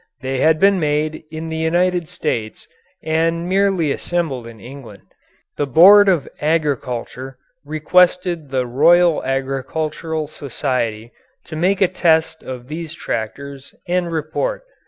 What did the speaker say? They had been made in the United States and merely assembled in England. The Board of Agriculture requested the Royal Agricultural Society to make a test of these tractors and report.